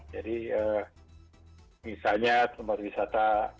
jadi misalnya tempat wisata